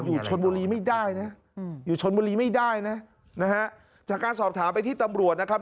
อยู่ชนบุรีไม่ได้นะอยู่ชนบุรีไม่ได้นะนะฮะจากการสอบถามไปที่ตำรวจนะครับ